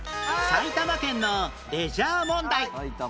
埼玉県のレジャー問題